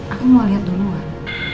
aku mau liat duluan